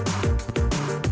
kita ngobet dulu